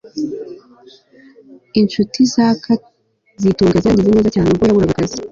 Inshuti za kazitunga zagize neza cyane ubwo yaburaga akazi